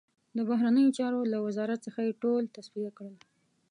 د بهرنیو چارو له وزارت څخه یې ټول تصفیه کړل.